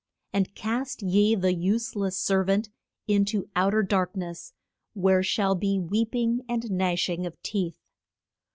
And cast ye the use less ser vant in to out er dark ness, where shall be weep ing and gnash ing of teeth.